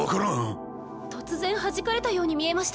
突然はじかれたように見えましたよ。